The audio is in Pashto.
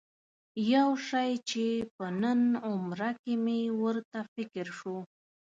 یو شی چې په نن عمره کې مې ورته فکر شو.